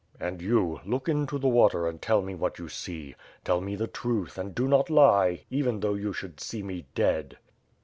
"And you, look into the water and tell me what you see. Tell me the truth and do not lie, even though you should see me dead."